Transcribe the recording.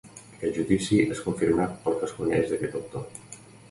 Aquest judici és confirmat pel que es coneix d'aquest autor.